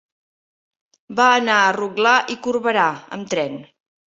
Va anar a Rotglà i Corberà amb tren.